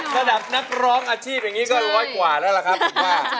ระดับนักร้องอาชีพอย่างนี้ก็ร้อยกว่าแล้วล่ะครับผมว่า